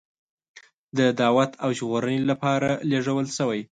د دعوت او ژغورنې لپاره لېږل شوی.